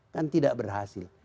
kan tidak berhasil